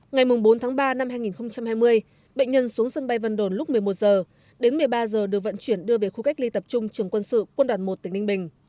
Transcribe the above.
ngày bốn tháng ba năm hai nghìn hai mươi bệnh nhân xuống sân bay vân đồn lúc một mươi một h đến một mươi ba giờ được vận chuyển đưa về khu cách ly tập trung trường quân sự quân đoàn một tỉnh ninh bình